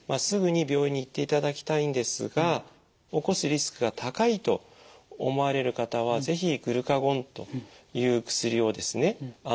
すぐに病院に行っていただきたいんですが起こすリスクが高いと思われる方は是非グルカゴンという薬をですね